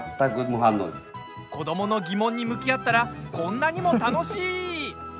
子どもの疑問に向き合ったらこんなにも楽しい！